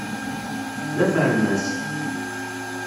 D afermas.